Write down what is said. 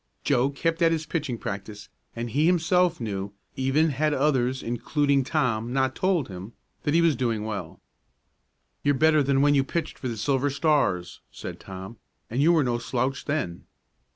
Joe kept at his pitching practice, and he himself knew, even had others, including Tom, not told him, that he was doing well. "You're better than when you pitched for the Silver Stars," said Tom, "and you were no slouch then."